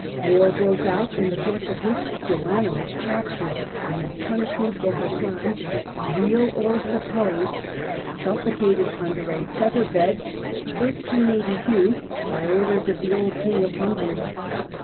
War broke out, in the course of which Joanna was captured, and as punish ment for her crime, real or supposed, suffocated under a feather bed by orders of the old King of Hungary.